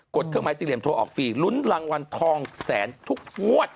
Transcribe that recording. ดเครื่องหมายสี่เหลี่ยมโทรออกฟรีลุ้นรางวัลทองแสนทุกงวด